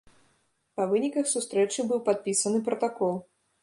Па выніках сустрэчы быў падпісаны пратакол.